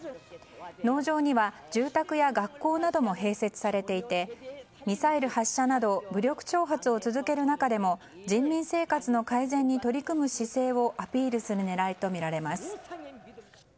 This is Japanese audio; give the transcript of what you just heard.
農場には住宅や学校なども併設されていてミサイル発射など武力挑発を続ける中でも人民生活の改善に取り組む姿勢をアピールする狙いとみられます。